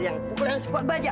yang pukulan sepot bajak